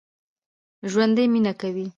ژوندي مېنه کوي